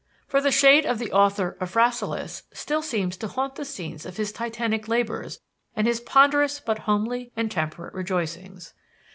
For the shade of the author of Rasselas still seems to haunt the scenes of his Titanic labors and his ponderous but homely and temperate rejoicings.